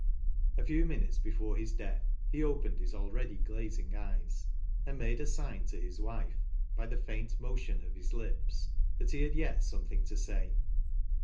A few minutes before his death, he opened his al ready glazing eyes, and made a sign to his wife, by the faint motion of his lips, that he had yet something to say.